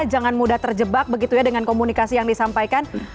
jangan mudah terjebak begitu ya dengan komunikasi yang disampaikan